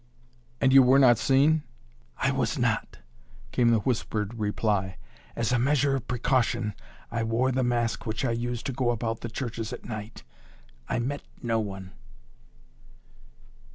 "And you were not seen?" "I was not," came the whispered reply. "As a measure of precaution I wore the mask which I use to go about the churches at night. I met no one."